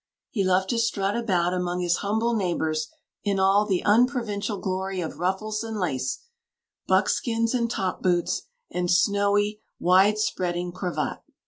He loved to strut about among his humble neighbours in all the unprovincial glory of ruffles and lace, buck skins and top boots, and snowy, wide spreading cravat.